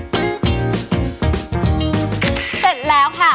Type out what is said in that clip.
เสร็จแล้วค่ะ